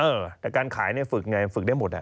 เออแต่การขายเนี่ยฝึกไงฝึกได้หมด